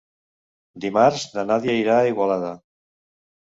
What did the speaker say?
Dimarts na Nàdia irà a Igualada.